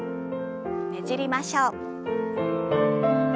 ねじりましょう。